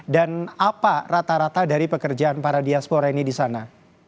dan apa rata rata dari pekerjaan para diaspora ini di sana